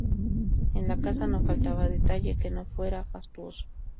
En la casa no faltaba detalle que no fuera fastuoso.